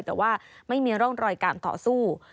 แต่ว่าไม่มีร่องรอยการต่อสู้